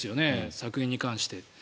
削減に関して。